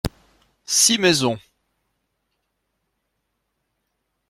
Six maisons.